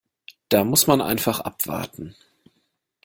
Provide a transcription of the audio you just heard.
Da muss man einfach abwarten.